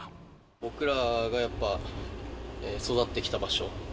僕らがやっぱ、育ってきた場所。